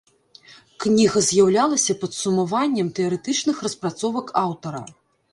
Кніга з'яўлялася падсумаваннем тэарэтычных распрацовак аўтара.